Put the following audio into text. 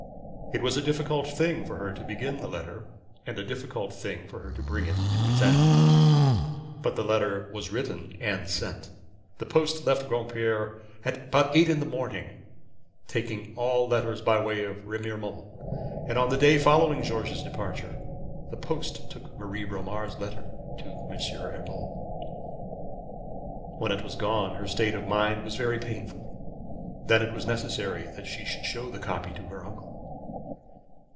It was a difficult thing for her to begin the letter, and a difficult thing for her to bring it to its end. But the letter was written and sent. The post left Granpere at about eight in the morning, taking all letters by way of Remiremont; and on the day following George's departure, the post took Marie Bromar's letter to M. Urmand. When it was gone, her state of mind was very painful. Then it was necessary that she should show the copy to her uncle.